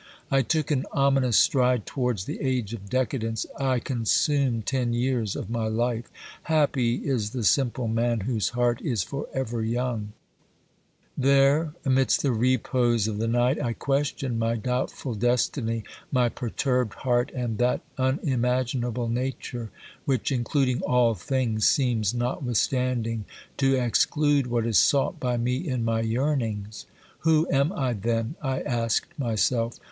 I took an ominous stride towards the age of decadence ; I consumed ten years of my life. Happy is the simple man whose heart is for ever young ! OBERMANN There, amidst the repose of the night, I questioned my^ doubtful destiny, my perturbed heart and that unimagin able Nature which, including all things, seems notwith standing to exclude what is sought by me in my yearnings. Who am I then ? I asked myself.